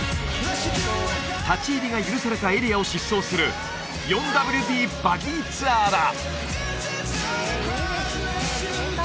立ち入りが許されたエリアを疾走する４ＷＤバギーツアーだ！